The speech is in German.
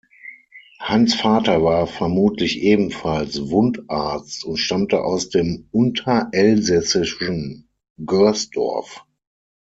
Hans' Vater war vermutlich ebenfalls Wundarzt und stammte aus dem unterelsässischen Görsdorf.